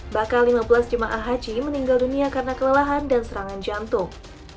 bakal lima belas jemaah haji meninggal dunia karena kelelahan dan serangan jantung